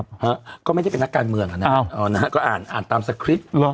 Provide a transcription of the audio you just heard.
โปรดติดตามตอนต่อไป